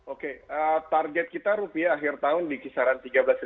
oke target kita rupiah akhir tahun di kisaran